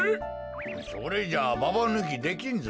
それじゃあババぬきできんぞ。